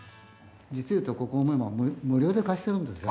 実をいうとここ無料で貸してるんですよ。